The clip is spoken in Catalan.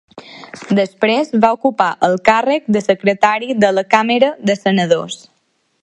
Després va ocupar el càrrec de Secretari de la Càmera de Senadors.